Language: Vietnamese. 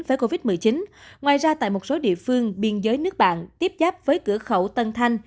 với covid một mươi chín ngoài ra tại một số địa phương biên giới nước bạn tiếp giáp với cửa khẩu tân thanh